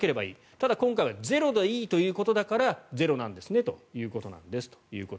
ただ、今回はゼロでいいということだからゼロなんですねということなんですねと。